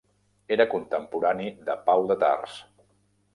Era contemporani de Pau de Tars.